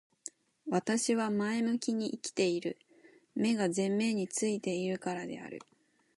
私は前向きに生きている。目が前面に付いているからである。